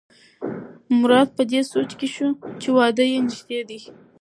مراد په دې سوچ کې شو چې واده یې نژدې دی.